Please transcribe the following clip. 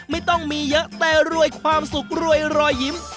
ไม่ต้องมีเยอะแต่รวยความสุขรวยรอยยิ้ม